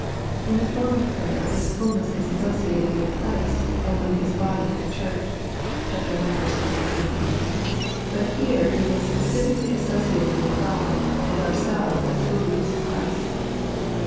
In the former prayer this fulness is associated with Christ and with His body the Church (ch. i. 23), but here it is specifically associated with God and our selves as believers in Christ.